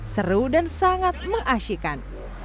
seru dan sangat mengasihkan